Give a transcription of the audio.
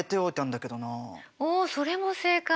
おそれも正解。